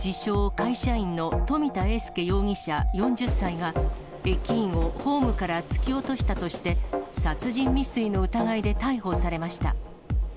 会社員の冨田英佑容疑者４０歳が、駅員をホームから突き落としたとして、殺人未遂の疑いで逮捕されました。